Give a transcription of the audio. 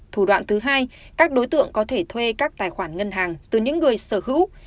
thủ đoạn thứ hai các đối tượng có thể thuê các tài khoản ngân hàng từ những người sở hữu